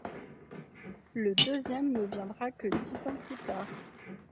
Le deuxième ne viendra que dix ans plus tard.